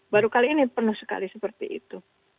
baru kali ini penuh sekali seperti itu